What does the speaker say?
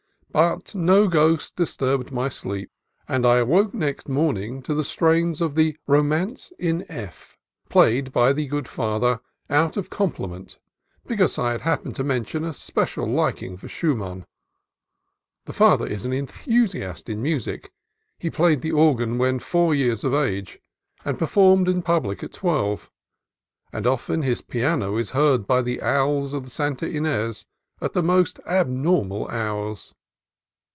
But no ghost disturbed my sleep, and I awoke next morning to the strains of the "Romance in F," played by the good Father out of compliment, be cause I had happened to mention a special liking for Schumann. (The Father is an enthusiast in music. He played the organ when four years of age, and performed in public at twelve; and often his piano is heard by the owls of Santa Ines at the most abnor mal hours.)